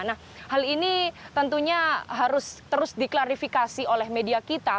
nah hal ini tentunya harus terus diklarifikasi oleh media kita